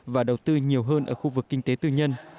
và đầu tư nhiều hơn ở khu vực kinh tế tư nhân